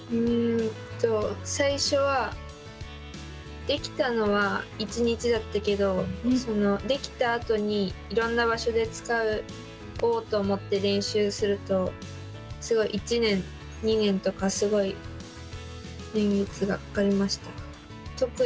最初できたのは１日だったけどできたあとにいろんな場所で使おうと思って練習するとすごい、１年、２年とかすごい年月がかかりました。